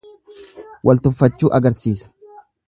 Wal tuffachuu agarsisa.